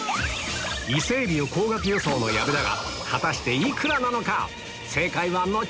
イセエビを高額予想の矢部だが果たして幾らなのか？